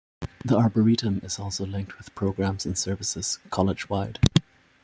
The Arboretum is also linked with programs and services College-wide.